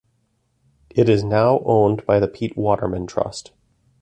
It is now owned by the Pete Waterman Trust.